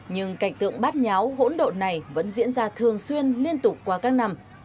nhưng cảnh tượng bát nháo hỗn độn này vẫn diễn ra thường xuyên liên tục qua các năm